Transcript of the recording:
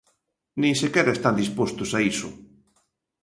Nin sequera están dispostos a iso.